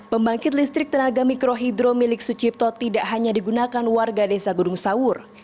pembangkit listrik tenaga mikrohidro milik sucipto tidak hanya digunakan warga desa gunung sawur